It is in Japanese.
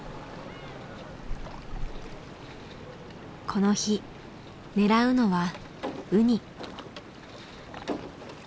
この日狙うのはウニ。